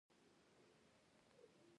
سر دي لکه پټاټه